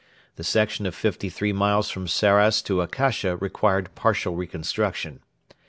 The section of fifty three miles from Sarras to Akasha required partial reconstruction.